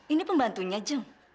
ini pembantunya jeng